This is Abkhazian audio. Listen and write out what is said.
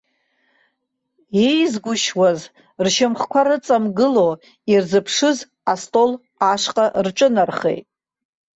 Еизгәышьуаз, ршьамхқәа рыҵамгыло, ирзыԥшыз астол ашҟа рҿынархеит.